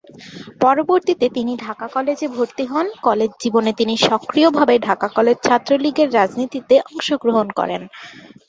পরবর্তীতে তিনি ঢাকা কলেজে ভর্তি হন, কলেজ জীবনে তিনি সক্রিয়ভাবে ঢাকা কলেজ ছাত্রলীগের রাজনীতিতে অংশগ্রহণ করেন।